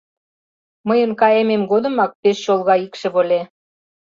Мыйын кайымем годымак пеш чолга икшыве ыле.